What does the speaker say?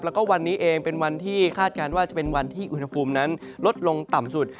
แล้วก็วันนี้เองเป็นวันที่คาดการณ์ว่าจะเป็นวันที่อุณหภูมินั้นลดลงต่ำสุด